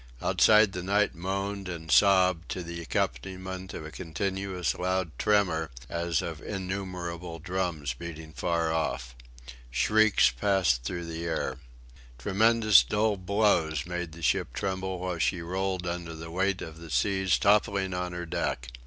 Outside the night moaned and sobbed to the accompaniment of a continuous loud tremor as of innumerable drums beating far off. Shrieks passed through the air. Tremendous dull blows made the ship tremble while she rolled under the weight of the seas toppling on her deck.